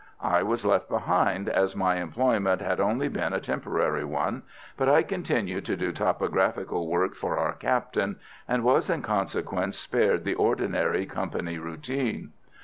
I was left behind, as my employment had only been a temporary one; but I continued to do topographical work for our Captain, and was in consequence spared the ordinary company routine.